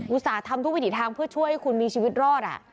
อุตส่าห์ทำทุกวิถีทางเพื่อช่วยให้คุณมีชีวิตรอดอ่ะ